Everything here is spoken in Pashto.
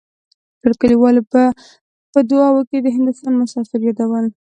ټولو کليوالو به په دعاوو کې د هندوستان مسافر يادول.